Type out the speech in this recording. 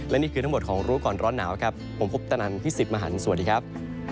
และนี่คือทั้งหมดของรู้ก่อนร้อนหนาวครับผมพุทธนันพี่สิทธิ์มหันฯสวัสดีครับ